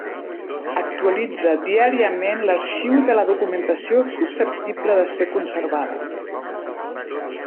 Actualitza diàriament l'arxiu de la documentació susceptible de ser conservada.